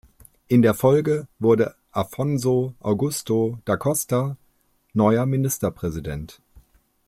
In der Folge wurde Afonso Augusto da Costa neuer Ministerpräsident.